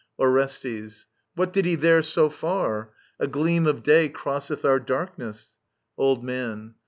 Orestes. What did he there so far ?— ^A gleam of day Crosseth our darkness. Old Man.